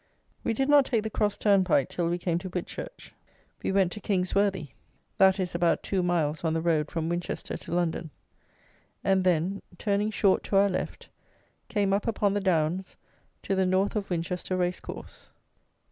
We did not take the cross turnpike till we came to Whitchurch. We went to King's Worthy; that is about two miles on the road from Winchester to London; and then, turning short to our left, came up upon the downs to the north of Winchester race course.